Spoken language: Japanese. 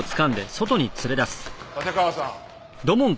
館川さん。